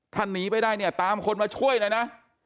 ถ้าหนีไปได้เนี่ยตามคนมาช่วยหน่อยนะ